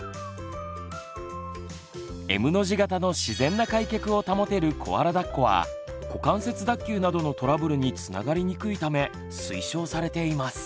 Ｍの字形の自然な開脚を保てるコアラだっこは股関節脱臼などのトラブルにつながりにくいため推奨されています。